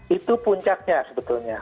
itu puncaknya sebetulnya